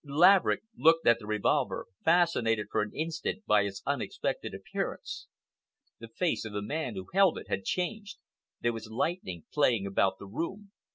Laverick looked at the revolver—fascinated, for an instant, by its unexpected appearance. The face of the man who held it had changed. There was lightning playing about the room.